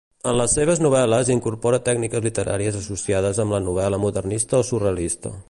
En les seves novel·les incorpora tècniques literàries associades amb la novel·la modernista o surrealista.